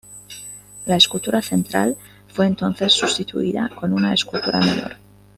La escultura central fue entonces sustituida con una escultura menor.